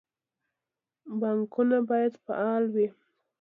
بانکونه باید فعال وي